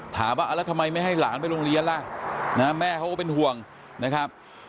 ถามว่าแล้วทำไมไม่ให้หลานไปโรงเรียนล่ะแม่เขาก็เป็นห่วงนะครับ